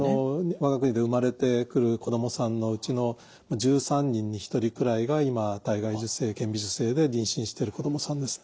我が国で生まれてくる子どもさんのうちの１３人に１人くらいが今体外受精顕微授精で妊娠してる子どもさんです。